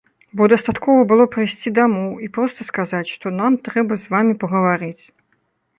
Бо дастаткова было прыйсці дамоў і проста сказаць, што нам трэба з вамі пагаварыць.